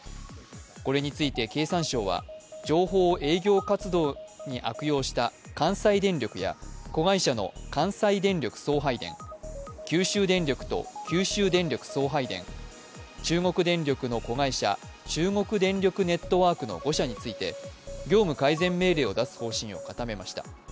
これについて経産省は情報を営業活動に悪用した関西電力や子会社の関西電力送配電九州電力と九州電力送配電、中国電力の子会社、中国電力ネットワークの５社について業務改善命令を出す方針を固めました。